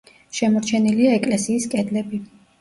შემორჩენილია ეკლესიის კედლები.